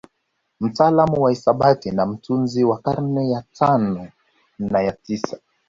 Mtaalamu wa hisabati na mtunzi wa karne ya tano na ya sita